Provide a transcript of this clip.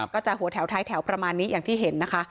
ก็จะหัวแถวท้ายแถวประมาณนี้อย่างที่เห็นนะคะ